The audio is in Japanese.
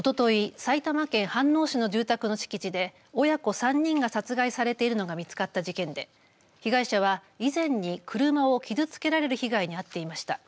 埼玉県飯能市の住宅の敷地で親子３人が殺害されていのが見つかった事件で被害者は、以前に車を傷つけられる被害にあっていました。